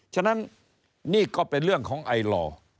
ฉะนั้นนี่ก็เป็นเรื่องของไอลอร์